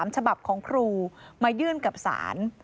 ฉบับของครูมายื่นกับศาล